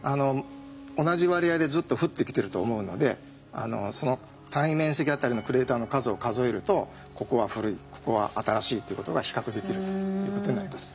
同じ割合でずっと降ってきてると思うのでその単位面積あたりのクレーターの数を数えるとここは古いここは新しいっていうことが比較できるということになります。